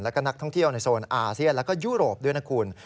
แล้วก็นักท่องเที่ยวในโซนอาเซียนแล้วก็ยุโรปด้วยนะคุณ